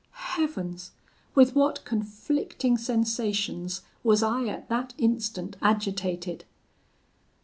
Heavens! with what conflicting sensations was I at that instant agitated!